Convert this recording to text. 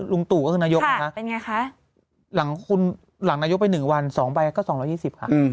ลุงตู่ก็คือนายกค่ะหลังคุณหลังนายกไป๑วัน๒ใบก็๒๒๐ค่ะอ๋อ